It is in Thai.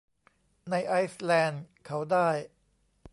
ในไอซ์แลนด์เขาได้